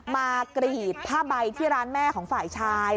กรีดผ้าใบที่ร้านแม่ของฝ่ายชาย